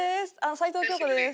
齊藤京子です。